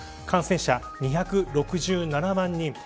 感染者２６７万人。